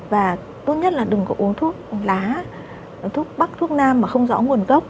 và tốt nhất là đừng có uống thuốc lá thuốc bắc thuốc nam mà không rõ nguồn gốc